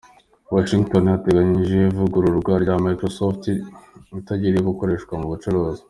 I Washington hatangiye ivugururwa rya Microsoft, itangira gukoreshwa mu bucuruzi.